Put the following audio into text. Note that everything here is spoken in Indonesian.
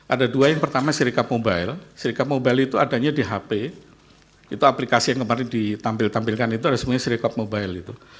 ada dua yang pertama serikat mobile serikat mobile itu adanya di hp itu aplikasi yang kemarin ditampil tampilkan itu ada semuanya serikat mobile itu